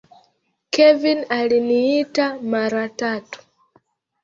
Kevin aliniita mara tatu.